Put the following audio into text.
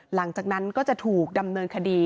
หลังจากนั้นก็จะถูกดำเนินคดี